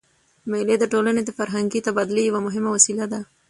مېلې د ټولني د فرهنګي تبادلې یوه مهمه وسیله ده.